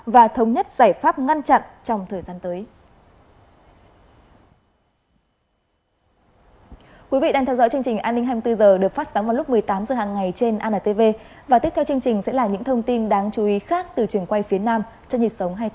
và thống nhất giải pháp ngăn chặn trong thời gian tới